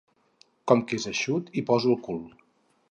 Com que és eixut hi poso el cul.